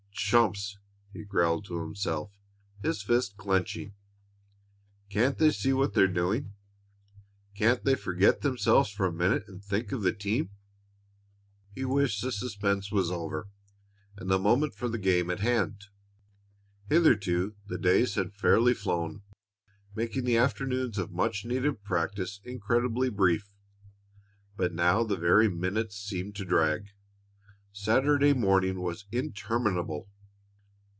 "Chumps!" he growled to himself, his fists clenching. "Can't they see what they're doing? Can't they forget themselves for a minute and think of the team?" He wished the suspense was over and the moment for the game at hand. Hitherto the days had fairly flown, making the afternoons of much needed practice incredibly brief, but now the very minutes seemed to drag. Saturday morning was interminable.